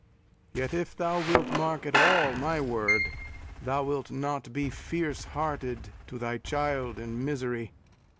Yet if thou Wilt mark at all my word, thou wilt not be Fierce hearted to thy child in misery.